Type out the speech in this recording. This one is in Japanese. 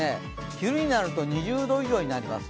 昼になると２０度以上になります。